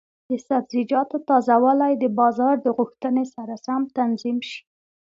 د سبزیجاتو تازه والي د بازار د غوښتنې سره سم تنظیم شي.